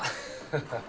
ハハハ。